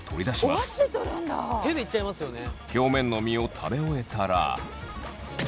表面の身を食べ終えたら。